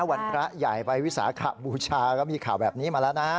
วันพระใหญ่ไปวิสาขบูชาก็มีข่าวแบบนี้มาแล้วนะ